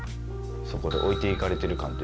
そこで置いていかれてる感というか。